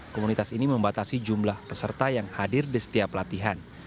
komunitas ini membatasi jumlah peserta yang hadir di setiap latihan